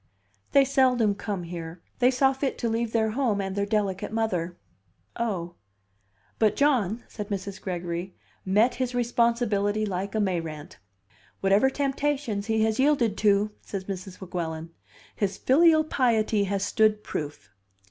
"They seldom come here. They saw fit to leave their home and their delicate mother." "Oh!" "But John," said Mrs. Gregory, "met his responsibility like a Mayrant." "Whatever temptations he has yielded to," said Mrs. Weguelin, "his filial piety has stood proof."